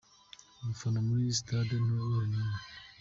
Abafana muri sitade nto ya Remera.